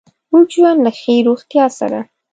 اوږد ژوند له له ښې روغتیا سره